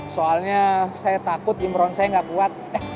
soalnya saya takut imran saya gak kuat